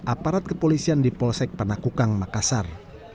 aparat kepolisian di polsek panakukang makassar